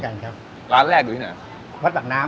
ร้านแรกดูที่ไหน